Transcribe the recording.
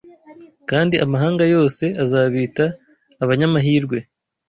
Kandi amahanga yose azabita abanyamahirwe